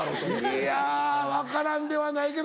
いや分からんではないけど。